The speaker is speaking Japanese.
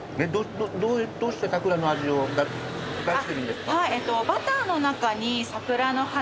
どうしてサクラの味を出してるんですか？